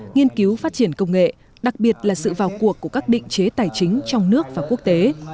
nghiên cứu phát triển công nghệ đặc biệt là sự vào cuộc của các định chế tài chính trong nước và quốc tế